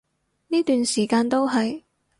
呢段時間都係